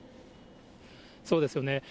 そうですよね。